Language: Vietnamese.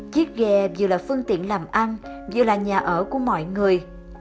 chiếc ghe vừa là phương tiện làm ăn vừa là nhà ở của mọi người